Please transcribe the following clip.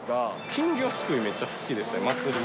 金魚すくい、めっちゃ好きでした、祭り。